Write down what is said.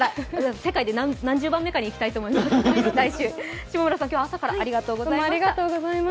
世界で何十番目かに行きたいと思います、来週。